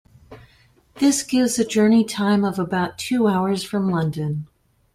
This gives a journey time of about two hours from London.